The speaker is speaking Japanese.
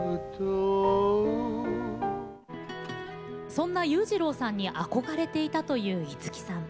そんな裕次郎さんに憧れていたという五木さん。